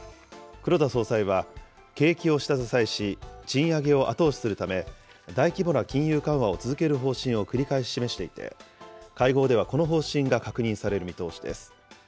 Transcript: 黒田総裁は景気を下支えし、賃上げを後押しするため、大規模な金融緩和を続ける方針を繰り返し示していて、会合ではこの方針が確認される見通しです。